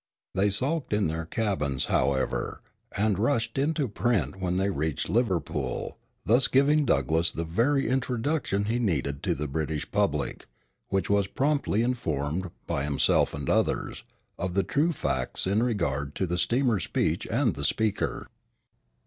They sulked in their cabins, however, and rushed into print when they reached Liverpool, thus giving Douglass the very introduction he needed to the British public, which was promptly informed, by himself and others, of the true facts in regard to the steamer speech and the speaker.